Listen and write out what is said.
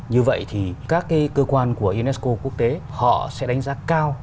như vậy thì các cơ quan của unesco quốc tế họ sẽ đánh giá cao